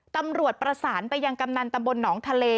ตำรวจประสานไปยังกำนันตำบลหนองทะเล